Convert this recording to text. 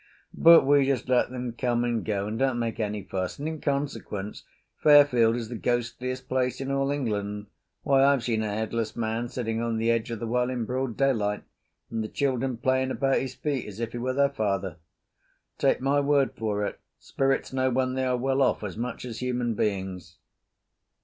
But we just let them come and go and don't make any fuss, and in consequence Fairfield is the ghostiest place in all England. Why, I've seen a headless man sitting on the edge of the well in broad daylight, and the children playing about his feet as if he were their father. Take my word for it, spirits know when they are well off as much as human beings.